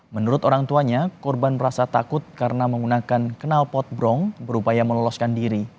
menurut orang tuanya korban merasa takut karena menggunakan kenal potbrong berupaya meloloskan diri